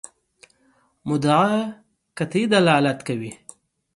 مدعا قطعي دلالت کوي.